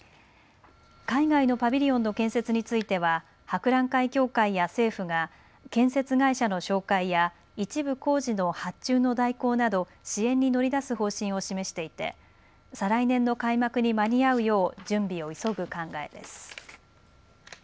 海外のパビリオンの建設については博覧会協会や政府が建設会社の紹介や一部工事の発注の代行など支援に乗り出す方針を示していて再来年の開幕に間に合うよう準備を急ぐ考えです。